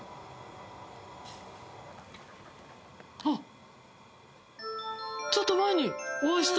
あっ。